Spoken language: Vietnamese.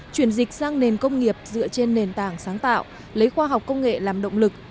chuyển dịch sang nền công nghiệp dựa trên nền tảng sáng tạo lấy khoa học công nghệ làm động lực